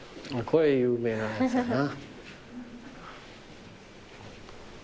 これ有名なやつだな。